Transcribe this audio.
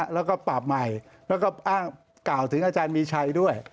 แล้วก็ปราบใหม่แล้วก็อ้างกล่าวถึงอาจารย์มีชัยด้วย